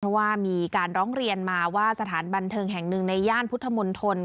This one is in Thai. เพราะว่ามีการร้องเรียนมาว่าสถานบันเทิงแห่งหนึ่งในย่านพุทธมนตร